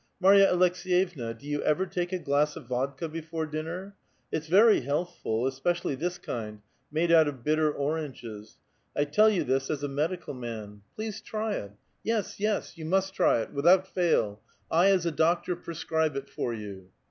" Marya Aleks^yevna, do you ever take a glass of vodka before dinner? It's very healthful, especially this kind, made out of bitter oranges ; I tell you this as a medical 116 A VITAL QUESTION. man. Please try it ; yes, yes, you must try it I without fail ; I, as a diK'tor, prescribe it lor you."